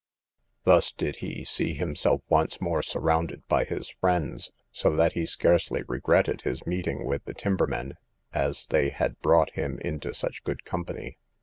Thus did he see himself once more surrounded by his friends, so that he scarcely regretted his meeting with the timbermen, as they had brought him into such good company.